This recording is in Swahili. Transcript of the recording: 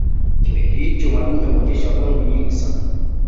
Kipindi hicho madume huonyesha mbwembwe nyingi sana